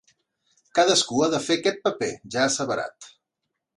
Cadascú ha de fer aquest paper, ja asseverat.